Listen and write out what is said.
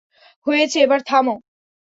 হয়েছে এবার থাম!